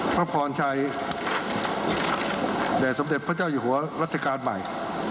พระพรชัยแด่สมเด็จพระเจ้าอยู่หัวรัชกาลใหม่